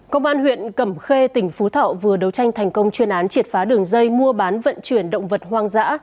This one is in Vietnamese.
công an huyện cẩm khê tỉnh phú thọ vừa đấu tranh thành công chuyên án triệt phá đường dây mua bán vận chuyển động vật hoang dã